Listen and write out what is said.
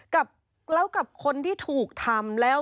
กับคนที่ถูกทำแล้ว